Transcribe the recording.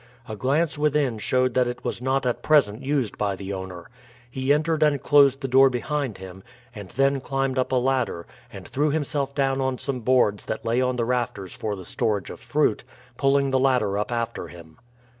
A glance within showed that it was not at present used by the owner. He entered and closed the door behind him, and then climbed up a ladder, and threw himself down on some boards that lay on the rafters for the storage of fruit, pulling the ladder up after him.